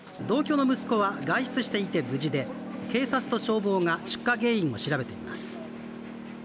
同居の息子は外出して無事で警察と消防が出火原因を調べています